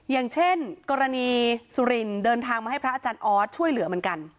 อย่างเช่นกรณีสุรินเดินทางมาให้พระอาจารย์ออสช่วยเหลือเหมือนกัน